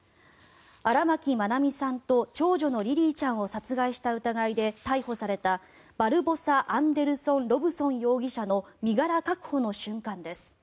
荒牧愛美さんと長女のリリィちゃんを殺害した疑いで逮捕されたバルボサ・アンデルソン・ロブソン容疑者の身柄確保の瞬間です。